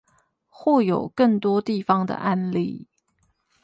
或有更多地方的案例